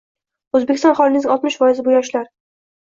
Oʻzbekiston aholisining oltmish foizi – bu yoshlar.